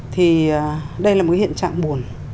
thì đây là một cái hiện trạng buồn